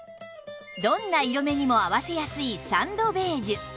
どんな色目にも合わせやすいサンドベージュ